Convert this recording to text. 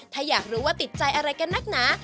ถ้าอยากรู้ว่าติดใจอะไรกันนักหนา